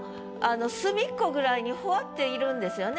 隅っこぐらいにふわっているんですよね